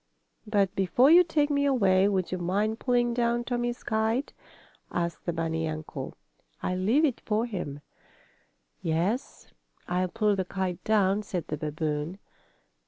"But before you take me away would you mind pulling down Tommie's kite?" asked the bunny uncle. "I'll leave it for him." "Yes, I'll pull the kite down," said the babboon.